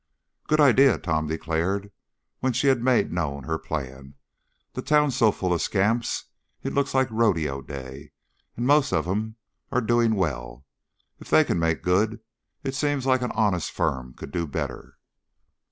"Good idea," Tom declared, when she had made known her plan. "The town's so full of scamps it looks like Rodeo Day, and most of 'em are doing well. If they can make good, it seems like an honest firm could do better."